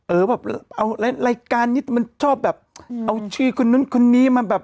เออแบบแรงการนี้ชอบแบบเอาชื่อคนนู่นคนนี้มาแบบ